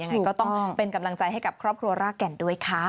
ยังไงก็ต้องเป็นกำลังใจให้กับครอบครัวรากแก่นด้วยค่ะ